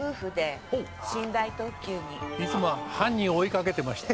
いつも犯人追いかけてました。